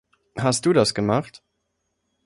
Hast du das gemacht?